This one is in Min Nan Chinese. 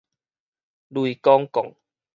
雷公摃